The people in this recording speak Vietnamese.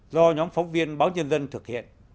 do nhóm phóng viên báo nhân dân thực hiện